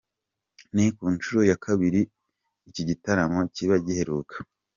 Ni ku nshuro ya kabiri iki gitaramo kiba, giheruka.